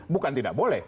bukan tidak boleh